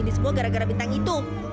di semua gara gara bintang itu